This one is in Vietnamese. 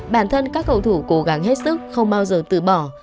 bản thân các cầu thủ cố gắng hết sức không bao giờ từ bỏ